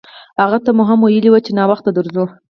هغه ته مو هم ویلي وو چې ناوخته درځو.